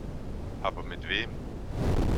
Aber mit wem?